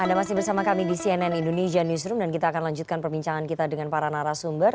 anda masih bersama kami di cnn indonesia newsroom dan kita akan lanjutkan perbincangan kita dengan para narasumber